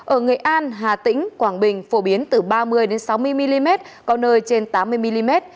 ở nghệ an hà tĩnh quảng bình phổ biến từ ba mươi sáu mươi mm có nơi trên tám mươi mm